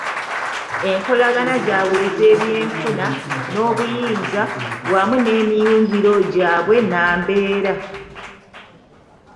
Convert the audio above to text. Enkolagana zaabwe ez’ebyenfuna n’obuyinza wamu n’emiyungiro gyabwe nnambeera.